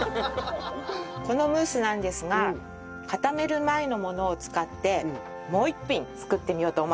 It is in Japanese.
このムースなんですが固める前のものを使ってもう一品作ってみようと思います。